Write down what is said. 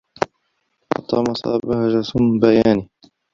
وَطَمَسَ بَهْجَةَ بَيَانِهِ